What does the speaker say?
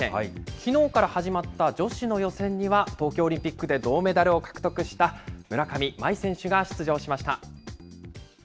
きのうから始まった女子の予選には、東京オリンピックで銅メダルを獲得した村上茉愛選手が出場しました。